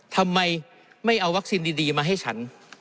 ทำไมไม่เอาวัคซีนดีมาให้ฉัน